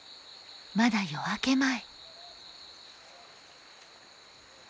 まだ夜明け前。